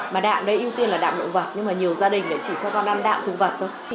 mà đạm đây ưu tiên là đạm động vật nhưng mà nhiều gia đình lại chỉ cho con ăn đạm thực vật thôi